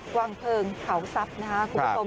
กว่างเผิงเขาทรัพย์นะคะคุณผู้ชม